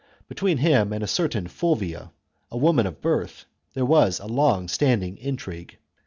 Be tween him and a certain Fulvia, a woman of birth, there was a long standing intrigue.